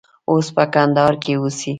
اوس په کندهار کې اوسي.